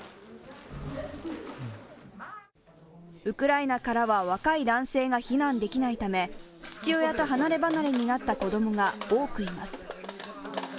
ウクライナからは若い男性が避難できないため父親と離ればなれになった子供が多くいます。